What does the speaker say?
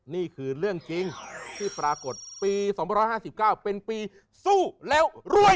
นี่คือเรื่องจริงที่ปรากฏปี๒๕๙เป็นปีสู้แล้วรวย